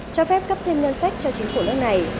cho phép cấp thêm ngân sách cho chính phủ nước này